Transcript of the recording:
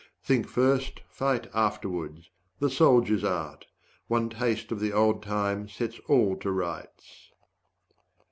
Think first, fight afterwards the soldier's art; One taste of the old time sets all to rights.